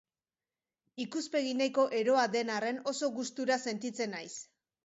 Ikuspegi nahiko eroa den arren, oso gustura sentitzen naiz.